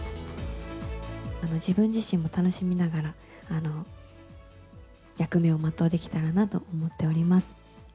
自分自身も楽しみながら、役目を全うできたらなと思っております。